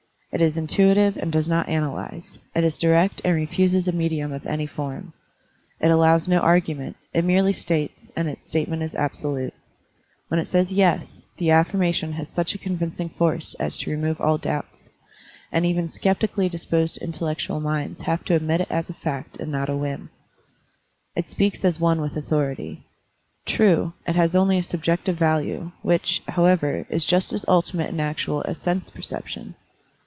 It is intuitive and does not analyze; it is direct and refuses a medium of any form. It allows no argument, it merely states, and its statement is absolute. When it says "yes, the affirmation has such a Digitized by Google 136 SERMONS OP A BUDDHIST ABBOT convincing force as to remove all doubts, and even skeptically disposed intellectual minds have to admit it as a fact and not a whim. It speaks as one with authority. True, it has only a sub jective value, which, however, is just as ultimate and actual as sense perception.